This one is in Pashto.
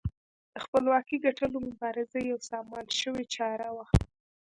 د خپلواکۍ ګټلو مبارزه یوه سازمان شوې چاره وه.